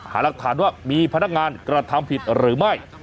หารักฐานว่ามีพนักงานกระทำผิดหรือไม่